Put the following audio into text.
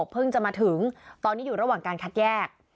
เพิ่งจะมาถึงตอนนี้อยู่ระหว่างการคัดแยก